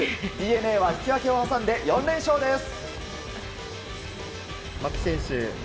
ＤｅＮＡは引き分けを挟んで４連勝です。